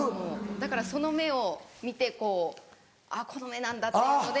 だからその目を見てあっこの目なんだっていうので。